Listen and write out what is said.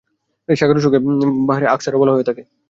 এই সাগরসমূহকে বাহরে আখসারও বলা হয়ে থাকে।